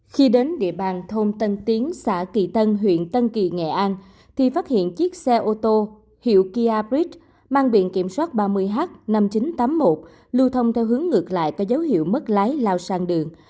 khi đến địa bàn thôn tân tiến xã kỳ tân huyện tân kỳ nghệ an thì phát hiện chiếc xe ô tô hiệu kia brid mang biển kiểm soát ba mươi h năm nghìn chín trăm tám mươi một lưu thông theo hướng ngược lại có dấu hiệu mất lái lao sang đường